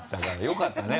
よかったね